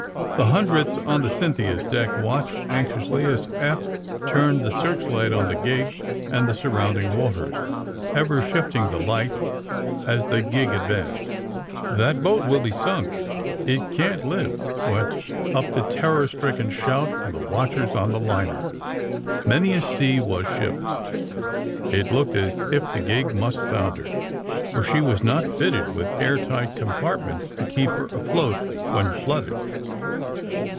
, The hundreds on the ''Cynthia's" j deck watched anxiously as Eph turned the search light on the gig and the surrounding waters, ever shifting the light as the gig advanced, *'That boat will be sunk. It can't live!'* went up the terror stricken shout from the watchers on the liner. Many a sea was shipped. It looked as if the gig must founder, for she was not fitted with air tight compartments to keep her afloat when flooded.